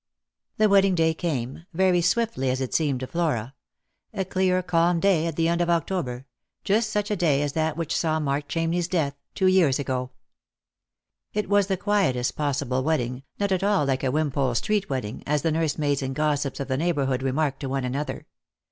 The wedding day came — very swiftly as it seemed to Flora — a clear calm day at the end of October, just such a day as that which saw Mark Chamney's death, two years ago. It was the quietest possible wedding, not at all like a Wim. pole street wedding, as the nursemaids and gossips of the neighbourhood remarked to one another.